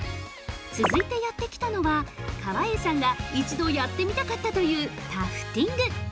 続いて、やってきたのは川栄さんが一度やってみたかったというタフティング。